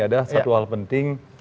ada satu hal penting